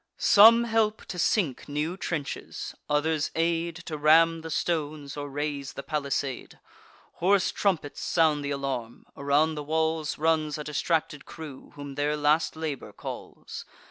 Some help to sink new trenches; others aid To ram the stones, or raise the palisade. Hoarse trumpets sound th' alarm; around the walls Runs a distracted crew, whom their last labour calls.